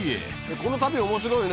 この旅面白いね